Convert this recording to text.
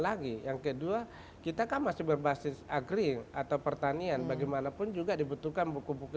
lagi yang kedua kita kan masih berbasis agring atau pertanian bagaimanapun juga dibutuhkan buku buku